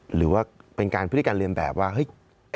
หรือว่าเป็นการพฤติการเรียนแบบว่าเฮ้ย